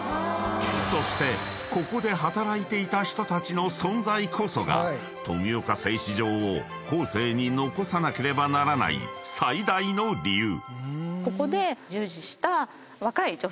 ［そしてここで働いていた人たちの存在こそが富岡製糸場を後世に残さなければならない最大の理由］